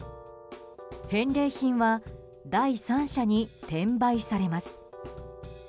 返礼品は第三者に転売されます。